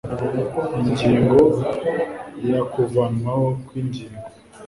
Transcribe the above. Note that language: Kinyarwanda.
ingingo ya kuvanwaho kw ingingo